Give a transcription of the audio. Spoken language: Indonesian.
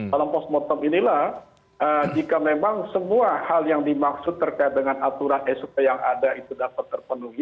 dalam post mortem inilah jika memang semua hal yang dimaksud terkait dengan aturan sop yang ada itu dapat terpenuhi